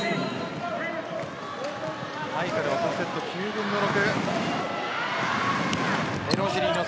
ハイカルはこのセット９分の６。